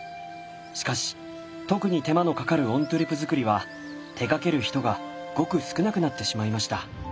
しかし特に手間のかかるオントゥレ作りは手がける人がごく少なくなってしまいました。